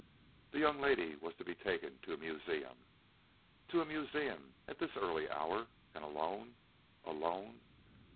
The young lady was to be taken to a museum. To a museum, at this early hour! and alone, alone!